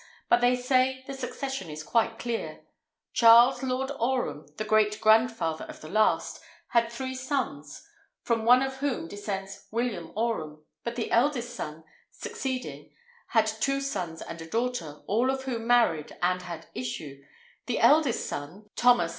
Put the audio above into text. But they say the succession is quite clear. Charles Lord Orham, the great grandfather of the last, had three sons, from one of whom descends William Orham; but the eldest son, succeeding, had two sons and a daughter, all of whom married, and had issue; the eldest son, Thomas Lord Orham, him succeeded, who had only issue the last lord.